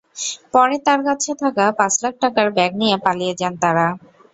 পরে তাঁর কাছে থাকা পাঁচ লাখ টাকার ব্যাগ নিয়ে পালিয়ে যান তাঁরা।